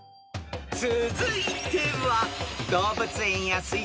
［続いては］